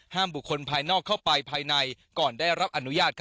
บุคคลภายนอกเข้าไปภายในก่อนได้รับอนุญาต